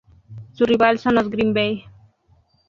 Su rival son los Green Bay.